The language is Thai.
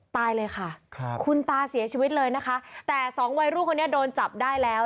ตายเลยค่ะครับคุณตาเสียชีวิตเลยนะคะแต่สองวัยรุ่นคนนี้โดนจับได้แล้ว